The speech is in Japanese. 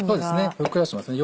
ふっくらしますね